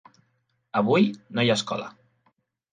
Avui no hi ha escola.